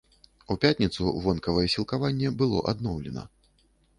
У пятніцу вонкавае сілкаванне было адноўлена.